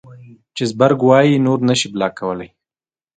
چې زبرګ وائي نور نشې بلاک کولے